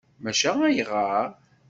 Maca ayɣer?